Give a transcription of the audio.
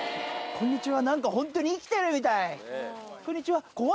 こんにちは。